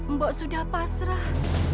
mbok sudah pasrah